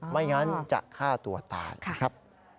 ไม่งั้นจะฆ่าตัวตายนะครับ